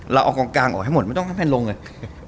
เราเอากองกลางออกให้หมดไม่ต้องให้แพลนลงเลย